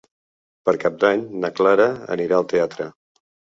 Per Cap d'Any na Clara anirà al teatre.